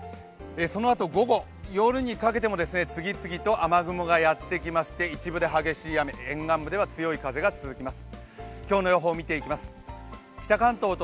そのあと午後、夜にかけても次々と雨雲がやってきまして、一部で激しい雨、沿岸部では強い風が続きます。